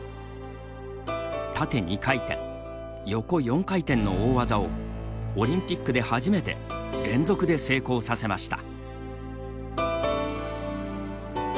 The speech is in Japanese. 縦２回転横４回転の大技をオリンピックで初めて連続で成功させました。